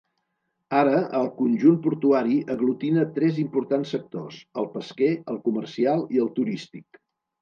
Ara, el conjunt portuari aglutina tres importants sectors: el pesquer, el comercial i el turístic.